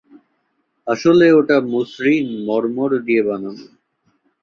আসলে, ওটা মসৃণ মর্মর দিয়ে বানানো।